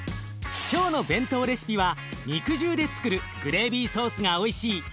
今日の弁当レシピは肉汁でつくるグレービーソースがおいしい